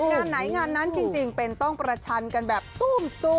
งานไหนงานนั้นจริงเป็นต้องประชันกันแบบตุ้ม